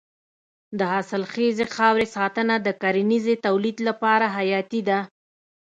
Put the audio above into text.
د حاصلخیزې خاورې ساتنه د کرنیزې تولید لپاره حیاتي ده.